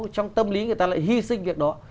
trong tâm lý người ta lại hy sinh việc đó